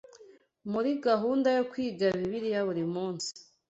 Muri gahunda yo kwiga Bibiliya buri munsi